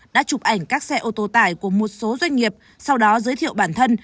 đã chụp ảnh các xe ô tô tải của một số doanh nghiệp sau đó giới thiệu bản thân